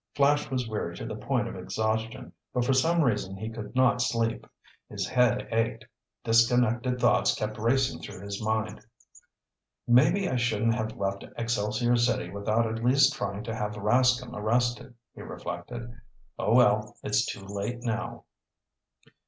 Flash was weary to the point of exhaustion, but for some reason he could not sleep. His head ached. Disconnected thoughts kept racing through his mind. "Maybe I shouldn't have left Excelsior City without at least trying to have Rascomb arrested," he reflected. "Oh, well, it's too late now."